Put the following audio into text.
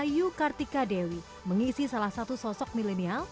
nama ayu kartika dewi mengisi salah satu sosok milenial di samping tim milenial